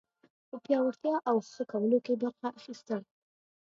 په پیاوړتیا او ښه کولو کې برخه اخیستل